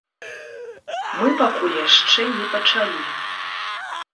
Мы пакуль яшчэ не пачалі.